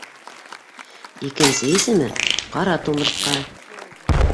Икенсе исеме - ҡара тумыртҡа.